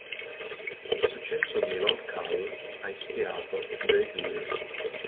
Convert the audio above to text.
Il successo di "Roll Call" ha ispirato "The Hill".